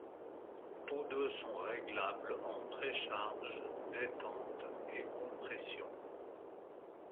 Tous deux sont réglables en précharge, détente et compression.